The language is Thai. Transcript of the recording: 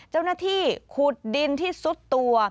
เจ้าหน้าที่ขุดดินที่ซุดตัว